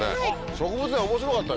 植物園面白かったでしょ？